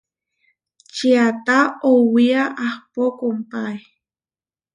Čiata oʼwía ahpó kompáe.